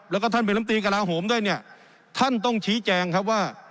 แล้วก็ท่านเป็นลำตีกระลาโหมด้วยเนี่ยท่านต้องชี้แจงครับว่า